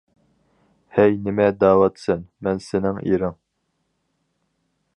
- ھەي، نېمە دەۋاتىسەن، مەن سېنىڭ ئېرىڭ!